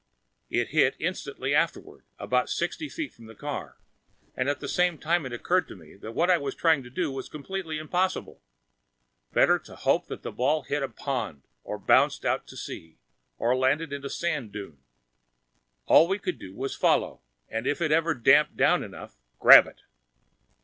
It hit instantly after about sixty feet from the car. And at the same time, it occurred to me that what I was trying to do was completely impossible. Better to hope that the ball hit a pond, or bounced out to sea, or landed in a sand dune. All we could do would be to follow, and if it ever was damped down enough, grab it.